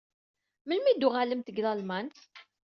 Melmi i d-tuɣalemt seg Lalman?